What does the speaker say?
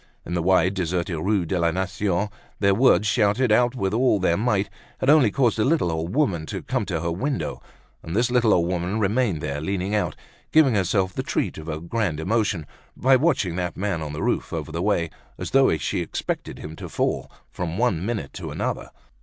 In the wide, deserted Rue de la Nation, their words, shouted out with all their might, had only caused a little old woman to come to her window; and this little old woman remained there leaning out, giving herself the treat of a grand emotion by watching that man on the roof over the way, as though she expected to see him fall, from one minute to another.